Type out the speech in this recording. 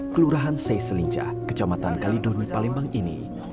kelurahan seyselincah kecamatan kalidoni palembang ini